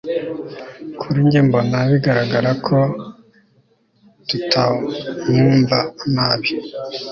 Kuri njye mbona bigaragara ko tutamwumva nabi